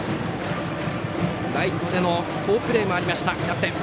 ライトでの好プレーもあったキャプテン。